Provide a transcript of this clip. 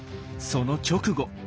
その直後。